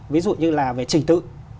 ví dụ như là về trình tự